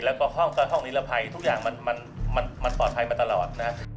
แล้วก็ห้องก็ท่องนิรภัยทุกอย่างมันปลอดภัยมาตลอดนะ